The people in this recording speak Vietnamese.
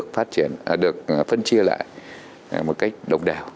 phải được phân chia lại một cách độc đảo